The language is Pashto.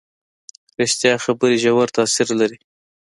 ریښتیا خبرې ژور تاثیر لري.